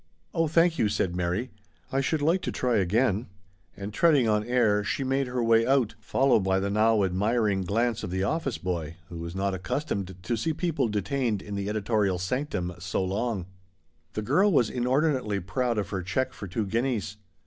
"Oh, thank you," said Mary, "I should like to try again," and treading on air she made her way out, followed by the now ad miring glance of the office boy, who was not accustomed to see people detained in the editorial sanctum so long. 138 THE 8T0RY OF A MODERN WOMAN. The girl was inordinately proud of her check for two guineas.